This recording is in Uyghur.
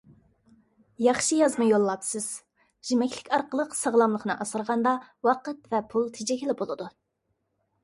ياخشى يازما يوللاپسىز. يېمەكلىك ئارقىلىق ساغلاملىقنى ئاسرىغاندا ۋاقىت ۋە پۇل تېجىگىلى بولىدۇ.